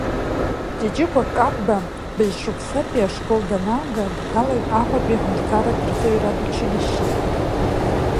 Ҷыҷыкәа Қапба бжь-шықәсатәи ашкол даналга дҭалоит Аҟәатәи аҳәынҭқарратә рҵаҩратә училишьче.